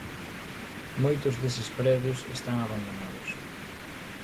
Moitos deses predios están abandonados.